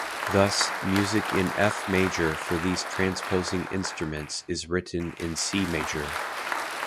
Thus, music in F major for these transposing instruments is written in C major.